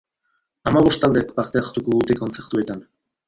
Hamabost taldek hartuko dute parte kontzertuetan.